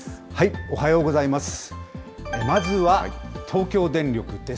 おはようございます。